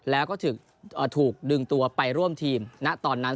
แล้วก็ถูกดึงตัวไปร่วมทีมณตอนนั้น